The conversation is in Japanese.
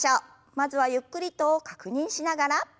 まずはゆっくりと確認しながら。